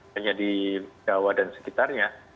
hanya di jawa dan sekitarnya